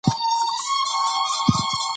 ملالۍ د ملي اتلولۍ نقش لوبولی.